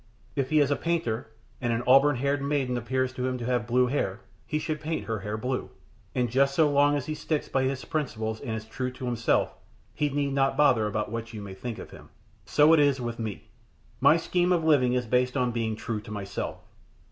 If he is a painter, and an auburn haired maiden appears to him to have blue hair, he should paint her hair blue, and just so long as he sticks by his principles and is true to himself, he need not bother about what you may think of him. So it is with me. My scheme of living is based upon being true to myself.